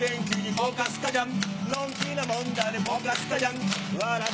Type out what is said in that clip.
ポカスカジャン